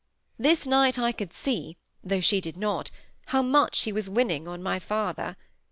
This night I could see, though she did not, how much she was winning on my father.